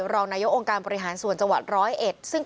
ก็มันยังไม่หมดวันหนึ่ง